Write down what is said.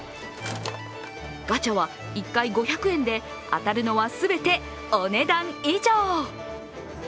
ガチャは１回５００円で当たるのは全てお値段以上。